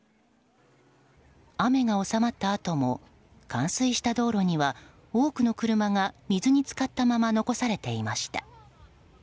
雨が収まったあとも冠水した道路には多くの車が、水に浸かったまま残されていました。